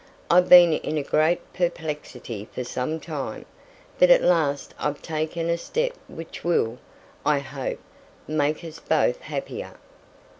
I've been in great perplexity for some time; but at last I've taken a step which will, I hope, make us both happier."